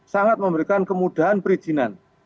sangat memberikan kemudahan perizinan